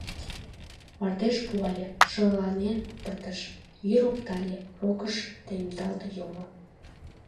Мардеж пуале — шаланен пытыш, йӱр оптале — рокыш темдалт йомо.